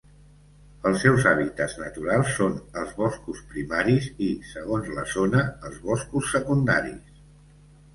Els seus hàbitats naturals són els boscos primaris i, segons la zona, els boscos secundaris.